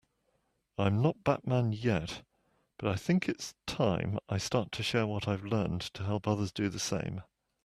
I'm not Batman yet, but I think it's time I start to share what I've learned to help others do the same.